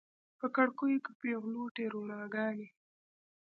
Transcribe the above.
په کړکیو کې پیغلوټې روڼاګانې